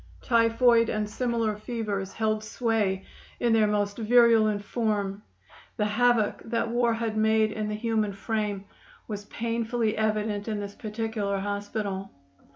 Typhoid and similar fevers held sway in their most virulent form. The havoc that war had made in the human frame was painfully evident in this particular hospital.